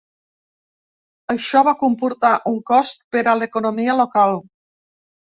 Això va comportar un cost per a l'economia local.